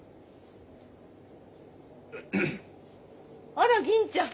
あら銀ちゃん。